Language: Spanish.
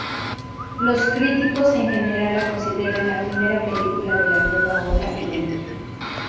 Los críticos en general la consideran la primera película de la Nueva Ola iraní.